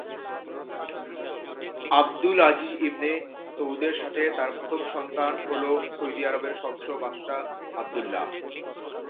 Abdul Aziz ibn সৌদের সাথে তার প্রথম সন্তান হলো সৌদি আরবের ষষ্ঠ বাদশাহ আবদুল্লাহ।